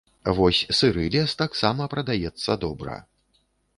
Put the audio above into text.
Вось сыры лес таксама прадаецца добра.